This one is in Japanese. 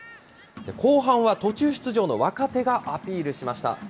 後半は途中出場の若手がアピールしました。